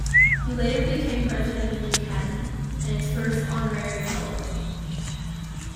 He later became President of the academy, and its first honorary fellow.